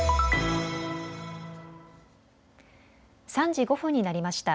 ３時５分になりました。